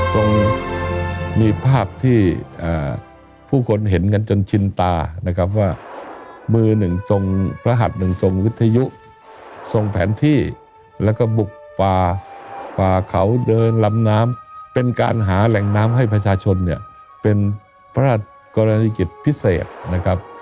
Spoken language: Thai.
ทรงมีภาพที่ผู้คนเห็นกันจนชินตานะครับว่ามือหนึ่งทรงพระหัสหนึ่งทรงวิทยุทรงแผนที่แล้วก็บุกป่าฝ่าเขาเดินลำน้ำเป็นการหาแหล่งน้ำให้ประชาชนเนี่ยเป็นพระราชกรณีกิจพิเศษนะครับ